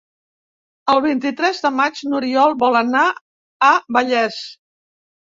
El vint-i-tres de maig n'Oriol vol anar a Vallés.